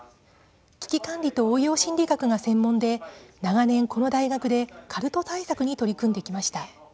危機管理と応用心理学が専門で長年、この大学でカルト対策に取り組んできました。